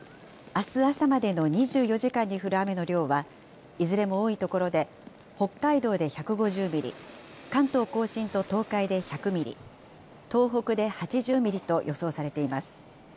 あす朝までの２４時間に降る雨の量は、いずれも多い所で、北海道で１５０ミリ、関東甲信と東海で１００ミリ、東北で８０ミリと予想されています。